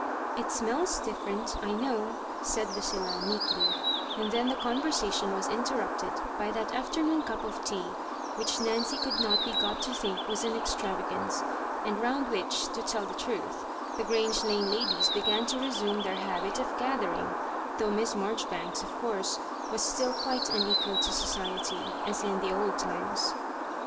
*'" It smells different, I know," said Lucilla, meekly ; and then the conversation was interrupt ed by that afternoon cup of tea» which Nancy could not be got to think was an extravagance, and round which, to tell the truth, the Grange Lane ladies began to resume their habit of gatlier ing — though Miss Maijoribanks, of course, was still quite unequal to society — as in the old times.